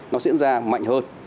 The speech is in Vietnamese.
nó diễn ra mạnh hơn